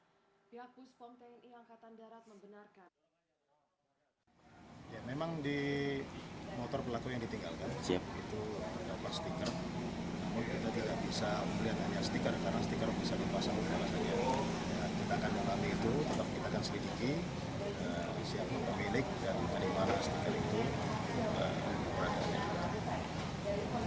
kami akan menelan itu tetap kita akan selidiki siapa pemilik dan bagaimana setelah itu berada di rumah